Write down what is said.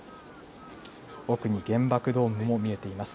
奥に原爆ドームも見えています。